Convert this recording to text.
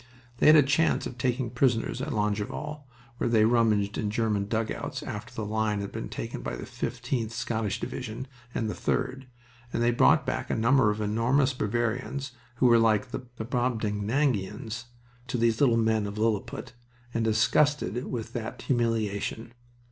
They had a chance of taking prisoners at Longueval, where they rummaged in German dugouts after the line had been taken by the 15th Scottish Division and the 3d, and they brought back a number of enormous Bavarians who were like the Brobdingnagians to these little men of Lilliput and disgusted with that humiliation.